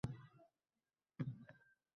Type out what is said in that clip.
Yana o‘ziga qaratdi va dedi.